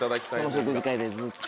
その食事会でずっと。